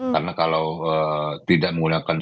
karena kalau tidak menggunakan